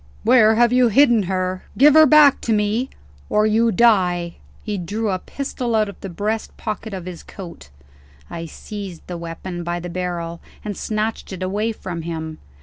"Where have you hidden her? Give her back to me or you die." He drew a pistol out of the breast pocket of his coat. I seized the weapon by the barrel, and snatched it away from him.